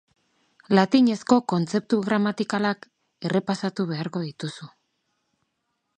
Latinezko kontzeptu gramatikalak errepasatu beharko dituzu.